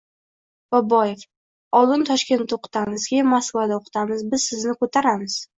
boboev. — Oldin Toshkentda o‘qitamiz, keyin Moskvada o‘qitamiz. Biz sizni ko‘taramiz!